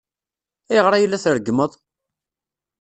Ayɣer ay la treggmeḍ?